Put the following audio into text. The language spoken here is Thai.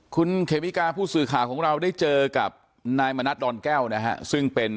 คุณเขมิกาผู้สื่อข่าวของเราได้เจอกับนายมณัฐดอนแก้วนะฮะซึ่งเป็น